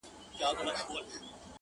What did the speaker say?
اخ تر خوله دي سم قربان زويه هوښياره -